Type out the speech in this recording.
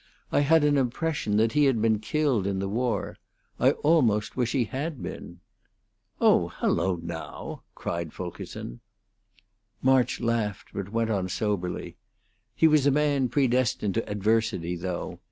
"I had an impression that he had been killed in the war. I almost wish he had been." "Oh, hello, now!" cried Fulkerson. March laughed, but went on soberly: "He was a man predestined to adversity, though.